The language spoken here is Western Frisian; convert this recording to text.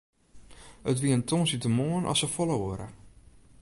It wie in tongersdeitemoarn as safolle oare.